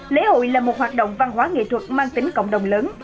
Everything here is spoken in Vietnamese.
lễ hội là một hoạt động văn hóa nghệ thuật mang tính cộng đồng lớn